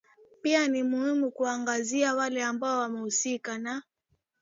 pia ni muhimu kuwaangazia wale ambao wamehusika na